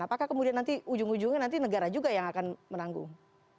apakah kemudian nanti ujung ujungnya nanti negara juga yang akan menanggung